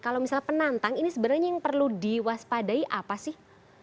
kalau misalnya penantang ini sebenarnya yang perlu diwaspadai apa sih